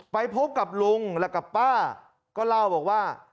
ไปพบกับลุงและกับป้าก็เล่าบอกว่า